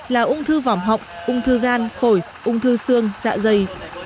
là ung thư vỏm họng ung thư gan khổi ung thư xương dạ dày